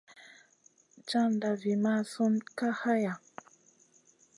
Caʼnda vi mʼasun Kay haya.